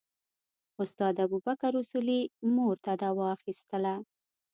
استاد ابوبکر اصولي مور ته دوا اخیستله.